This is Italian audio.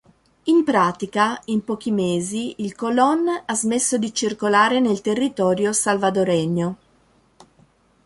In pratica in pochi mesi il Colón ha smesso di circolare nel territorio salvadoregno.